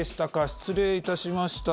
失礼いたしました。